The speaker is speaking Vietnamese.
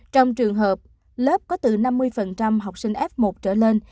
trong trường hợp lớp có từ năm mươi học sinh f một trở lên